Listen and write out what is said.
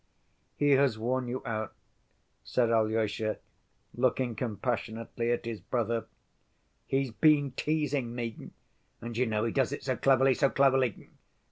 "He has worn you out," said Alyosha, looking compassionately at his brother. "He's been teasing me. And you know he does it so cleverly, so cleverly.